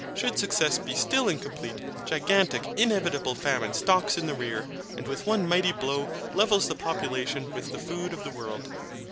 Should success be still incomplete, gigantic inevitable famine stalks in the rear, and with one mighty blow levels the population with the food of the world.